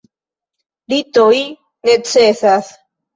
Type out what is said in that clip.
Ritoj necesas.